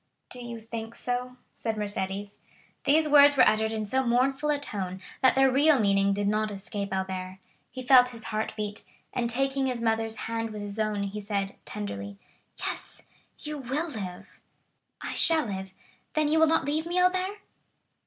"Do you think so?" said Mercédès. These words were uttered in so mournful a tone that their real meaning did not escape Albert; he felt his heart beat, and taking his mother's hand within his own he said, tenderly: "Yes, you will live!" "I shall live!—then you will not leave me, Albert?"